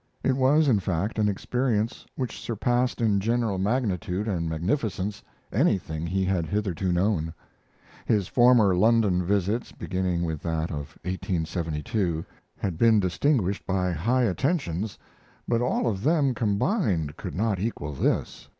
It was, in fact, an experience which surpassed in general magnitude and magnificence anything he had hitherto known. His former London visits, beginning with that of 1872, had been distinguished by high attentions, but all of them combined could not equal this.